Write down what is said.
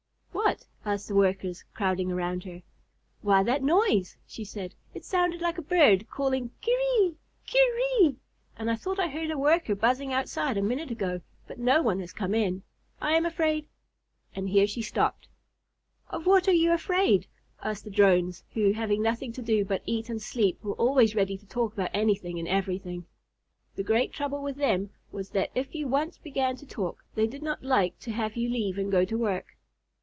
"What?" asked the Workers, crowding around her. "Why, that noise," she said. "It sounded like a bird calling 'Kyrie! K y rie!' and I thought I heard a Worker buzzing outside a minute ago, but no one has come in. I am afraid " and here she stopped. "Of what are you afraid!" asked the Drones, who, having nothing to do but eat and sleep, were always ready to talk about anything and everything. The great trouble with them was that if you once began to talk they did not like to have you leave and go to work.